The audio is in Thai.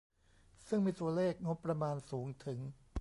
ซึ่งมีตัวเลขงบประมาณสูงถึง